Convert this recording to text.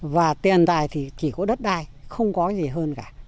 và tiền tài thì chỉ có đất đai không có gì hơn cả